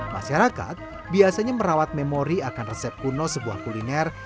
masyarakat biasanya merawat memori akan resep kuno sebuah kuliner